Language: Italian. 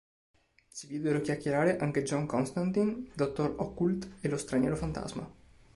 Si videro chiacchierare anche John Constantine, Dottor Occult e lo Straniero Fantasma.